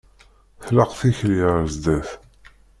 Tlaq tikli ar zdat.